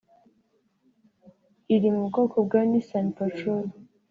iri mu bwoko bwa Nissan Patrol